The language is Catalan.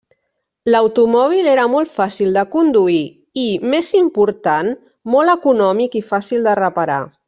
L'automòbil era molt fàcil de conduir i, més important, molt econòmic i fàcil de reparar.